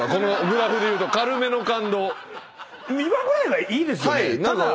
今ぐらいがいいですよね。